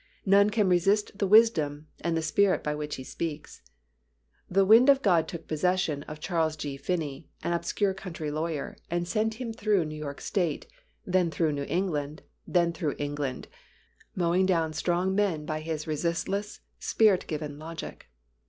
None can resist the wisdom and the Spirit by which he speaks. The Wind of God took possession of Charles G. Finney, an obscure country lawyer, and sent him through New York State, then through New England, then through England, mowing down strong men by his resistless, Spirit given logic.